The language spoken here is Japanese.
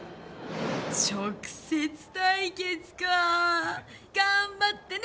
直接対決か頑張ってね！